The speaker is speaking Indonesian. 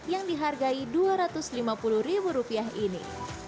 yang dihargai dua ratus lima puluh ribu rupiah ini